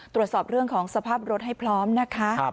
ตรวจสอบเรื่องของสภาพรถให้พร้อมนะคะ